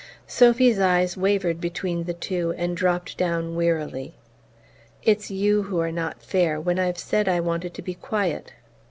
Sophy's eyes wavered between the two and dropped down wearily. "It's you who are not fair when I've said I wanted to be quiet."